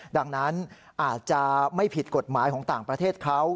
ดังนั้นอาจจะไม่ผิดกฎหมายของต่างประเทศเขา